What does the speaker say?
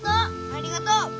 ありがとう。